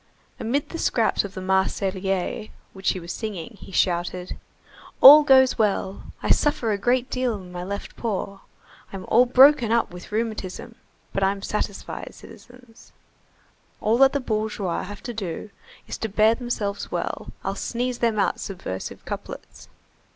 Amid the scraps of the Marseillaise which he was singing, he shouted:— "All goes well. I suffer a great deal in my left paw, I'm all broken up with rheumatism, but I'm satisfied, citizens. All that the bourgeois have to do is to bear themselves well, I'll sneeze them out subversive couplets.